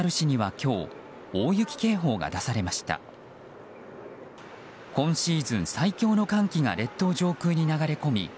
今シーズン最強の寒気が列島上空に流れ込み